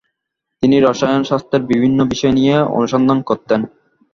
তিনি রসায়ন শাস্ত্রের বিভিন্ন বিষয় নিয়ে অনুসন্ধান করতেন।